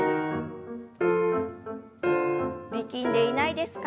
力んでいないですか？